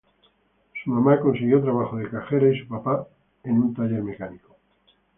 Su mamá consiguió trabajo de cajera y su padre en un taller mecánico.